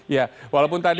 ya walaupun tadi